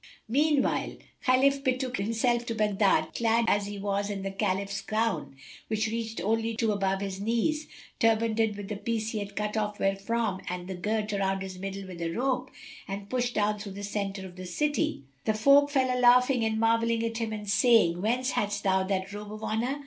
Meanwhile Khalif betook himself to Baghdad, clad as he was in the Caliph's gown, which reached only to above his knees,[FN#283] turbanded with the piece he had cut off therefrom and girt about his middle with a rope, and he pushed through the centre of the city. The folk fell a laughing and marvelling at him and saying, "Whence hadst thou that robe of honour?"